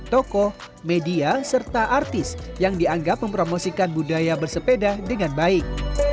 tokoh media serta artis yang dianggap mempromosikan budaya bersepeda dengan baik